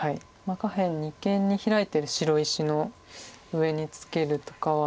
下辺二間にヒラいてる白石の上にツケるとかは。